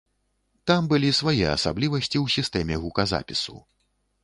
Там былі свае асаблівасці ў сістэме гуказапісу.